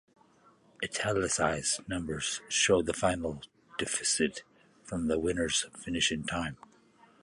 Italicized numbers show the final deficit from the winner's finishing time.